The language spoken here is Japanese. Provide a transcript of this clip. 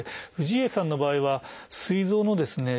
氏家さんの場合はすい臓のですね